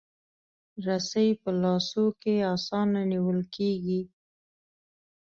رسۍ په لاسو کې اسانه نیول کېږي.